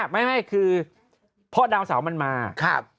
ไม่คือพ่อดาวเสาร์มันมาครับ